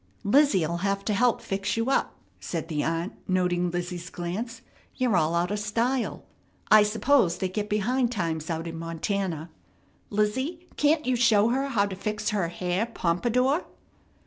"Lizzie'll have to help fix you up," said the aunt noting Lizzie's glance. "You're all out of style. I suppose they get behind times out in Montana. Lizzie, can't you show her how to fix her hair pompadour?"